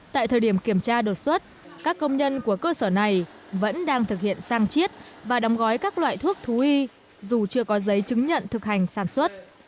tại thời điểm kiểm tra đột xuất các công nhân của cơ sở này vẫn đang thực hiện sang chiết và đóng gói các loại thuốc thú y dù chưa có giấy chứng nhận thực hành sản xuất